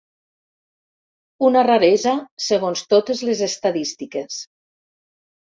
Una raresa segons totes les estadístiques.